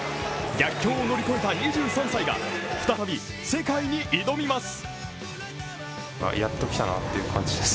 逆境を乗り越えた２３歳が再び世界に挑みます！